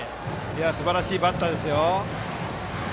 すばらしいバッターですよ。